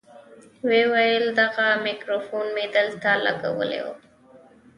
ويې ويل دغه ميکروفون مې دلته لګولى و.